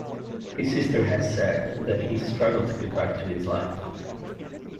His sister has said that he struggled to get back to his life.